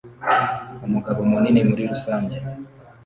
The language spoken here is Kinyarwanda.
Umugabo munini muri rusange